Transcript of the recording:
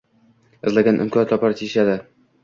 Izlagan imkon topar deyishadi.